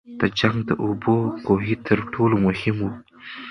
د جنګ د اوبو کوهي تر ټولو مهم وو.